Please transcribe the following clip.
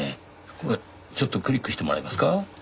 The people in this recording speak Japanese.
これちょっとクリックしてもらえますか？